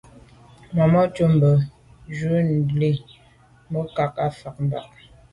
Màmá cúp mbə̄ bù jún ndʉ̌ʼ jí mû’ndʉ̀ à’ cák fá bə̀k.